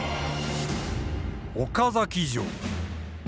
岡崎城。